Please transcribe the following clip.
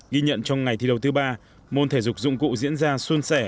ghi nhận trong ngày thi đầu thứ ba môn thể dục dụng cụ diễn ra xuân sẻ